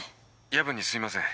夜分にすいません。